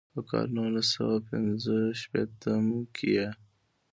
پۀ کال نولس سوه پينځه شپيتم کښې ئې